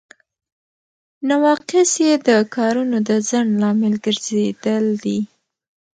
نواقص یې د کارونو د ځنډ لامل ګرځیدل دي.